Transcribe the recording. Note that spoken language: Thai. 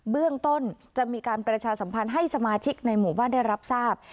เบื้องต้นจะมีการประชาสัมพันธ์ให้สมาชิกในหมู่บ้านได้รับทราบ